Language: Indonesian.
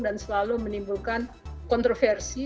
dan selalu menimbulkan kontroversi